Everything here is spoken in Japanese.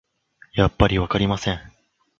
やっぱりわかりません